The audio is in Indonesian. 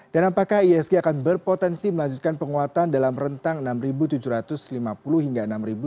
dan apakah iisg akan berpotensi melanjutkan penguatan dalam rentang enam tujuh ratus lima puluh hingga enam tujuh ratus delapan puluh